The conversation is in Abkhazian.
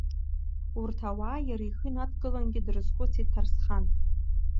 Урҭ ауаа иара ихы инадкылангьы дрызхәыцит Ҭарсхан.